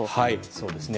そうですね。